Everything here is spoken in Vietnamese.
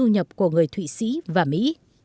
người thụy sĩ và mỹ